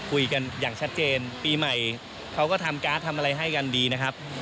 คุยกันอย่างชัดเจนปีใหม่เขาก็ทำการ์ดทำอะไรให้กันดีนะครับ